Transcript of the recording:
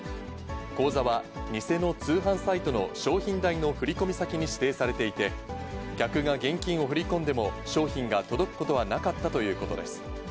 口座は偽の通販サイトの商品代の振り込み先に指定されていて、客が現金を振り込んでも、商品が届くことはなかったということです。